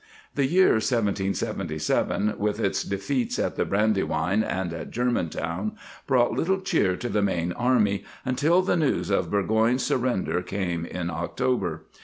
The year 1777, with its defeats at the Brandy wine and at Germantown, brought little cheer to the main army until the news of Burgoyne's sur render came in October.